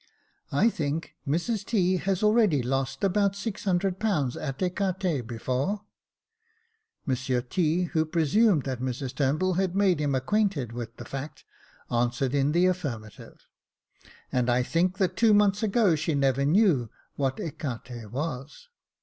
I think Mrs T. has already lost about six hundred pounds at ecarte before ?" (Monsieur T., who presumed that Mrs Turnbull had made him acquainted with the fact, answered in the affirmative.) " And I think that two months ago she never knew what ecarte was."